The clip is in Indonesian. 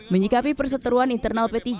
menyikapi perseteruan internal p tiga